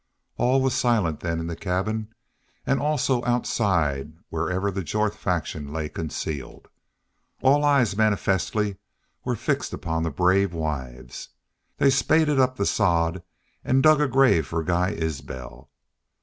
All was silent then in the cabin and also outside wherever the Jorth faction lay concealed. All eyes manifestly were fixed upon the brave wives. They spaded up the sod and dug a grave for Guy Isbel.